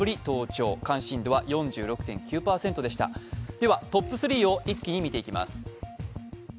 ではトップ３を一気に見ていきます。